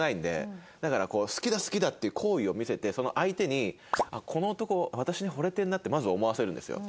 だからこう好きだ好きだっていう好意を見せてその相手に「この男私にほれてるな」ってまず思わせるんですよ。